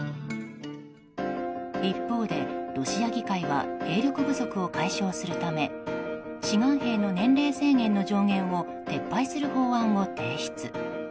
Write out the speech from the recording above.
一方でロシア議会は兵力不足を解消するため志願兵の年齢制限の上限を撤廃する法案を提出。